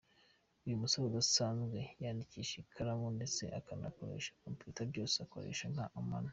Uyu musore udasanzwe yandikisha ikaramu ndetse akanakoresha computer byose akoresha amano.